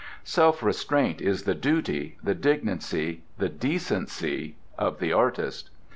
Self restraint is the duty, the dignity, the decency of the artist.